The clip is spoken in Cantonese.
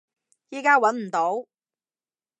依家揾唔到